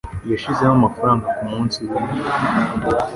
Yashizemo amafaranga kumunsi wimvura.